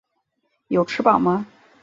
有吃饱吗？